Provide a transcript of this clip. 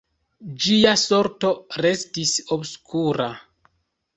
Ĝia sorto restis obskura.